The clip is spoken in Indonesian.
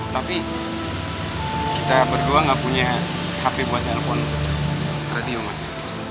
tapi kita berdua nggak punya hp buat telepon radio mas